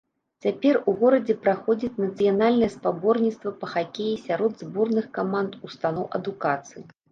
Цяпер у горадзе праходзіць нацыянальнае спаборніцтва па хакеі сярод зборных каманд устаноў адукацыі.